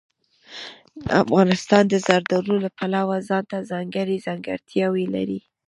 افغانستان د زردالو له پلوه ځانته ځانګړې ځانګړتیاوې لري.